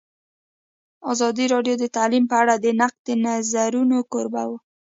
ازادي راډیو د تعلیم په اړه د نقدي نظرونو کوربه وه.